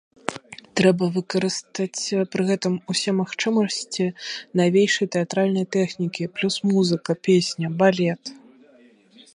Трэба выкарыстаць пры гэтым усе магчымасці навейшай тэатральнай тэхнікі плюс музыка, песня, балет.